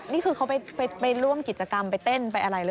นี่คือเขาไปร่วมกิจกรรมไปเต้นไปอะไรเลย